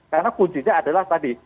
karena kuncinya adalah tadi